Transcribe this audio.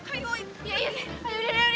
ayo ibu berhenti